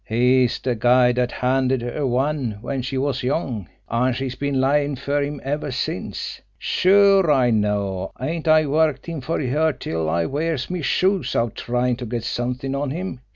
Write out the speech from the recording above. "He's de guy dat handed her one when she was young, an' she's been layin' fer him ever since! Sure! I know! Ain't I worked him fer her till I wears me shoes out tryin' to get somet'ing on him!